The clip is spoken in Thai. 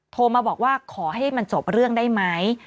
โทรมาบอกว่าขอให้มันจบเรื่องได้ไหม